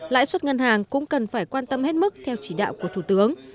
lãi suất ngân hàng cũng cần phải quan tâm hết mức theo chỉ đạo của thủ tướng